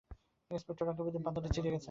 Inspector Rakibuddin পাতাটা ছিঁড়ে নিয়ে গেছেন।